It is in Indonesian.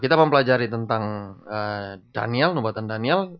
kita mempelajari tentang nubuatan daniel